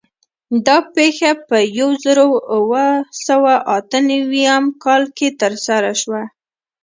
دا پېښه په یو زرو اوه سوه اته نوي م کال کې ترسره شوه.